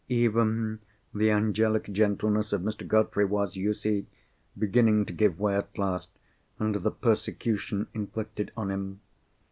Even the angelic gentleness of Mr. Godfrey was, you see, beginning to give way at last under the persecution inflicted on him.